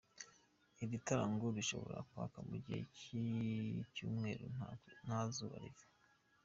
Iri tara ngo rishobora kwaka mu gihe cy’icyumweru nta zuba riva.